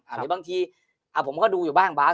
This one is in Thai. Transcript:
หรือบางทีผมก็ดูอยู่บ้างบาส